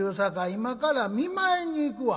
今から見舞いに行くわ」。